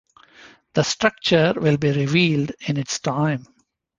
The structure will be revealed in its time.